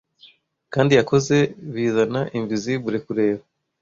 Kandi yakoze bizana invisibles kureba